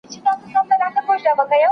فزیکي فعالیت د اوبو اړتیا لوړوي.